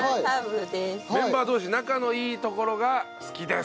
メンバー同士仲のいいところが好きですと。